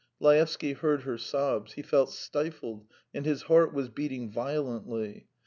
..." Laevsky heard her sobs. He felt stifled and his heart was beating violently.